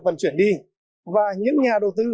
vận chuyển đi và những nhà đầu tư